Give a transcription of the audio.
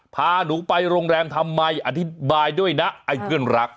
พาหนูไปโรงแรมทำไมอธิบายด้วยนะไอ้เพื่อนรัก